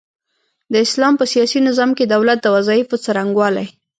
د اسلام په سياسي نظام کي د دولت د وظايفو څرنګوالۍ